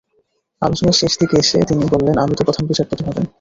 আলোচনার শেষ দিকে এসে তিনি বললেন, আপনি তো প্রধান বিচারপতি হবেন।